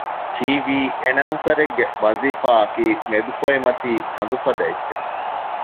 ޓީވީ އެނައުންސަރެއްގެ ވަޒީފާއަކީ މެދުފޮއިމަތީ ހަނދު ފަދަ އެއްޗެއް